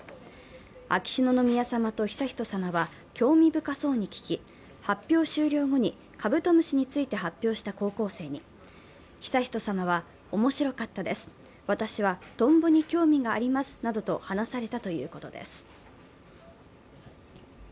秋篠宮さまと悠仁さまは興味深そうに聞き発表終了後に、カブトムシについて発表した高校生に、悠仁さまは、面白かったです、私はトンボに興味がありますなどと話されたということです。